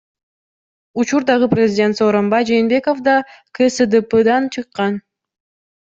Учурдагы президент Сооронбай Жээнбеков да КСДПдан чыккан.